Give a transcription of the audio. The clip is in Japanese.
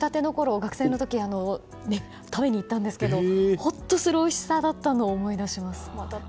学生の時食べに行ったんですけどほっとするおいしさだったのを思い出します。